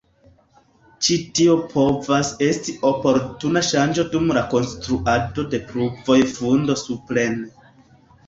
Ĉi tio povas esti oportuna ŝanĝo dum konstruado de pruvoj fundo-supren.